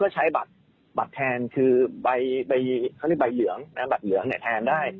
ใช้บัตรแทนคือใบเขาเรียกใบเหลืองบัตรเหลืองเนี่ยแทนได้